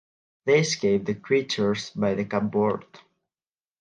They escape the creatures by the cupboard.